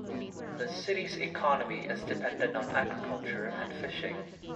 The city's economy is dependent on agriculture and fishing.